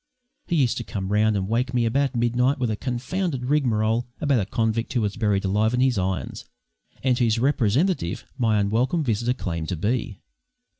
He used to come round and wake me about midnight with a confounded rigmarole about a convict who was buried alive in his irons, and whose representative my unwelcome visitor claimed to be.